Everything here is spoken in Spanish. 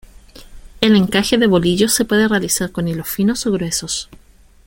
El encaje de bolillos se puede realizar con hilos finos o gruesos.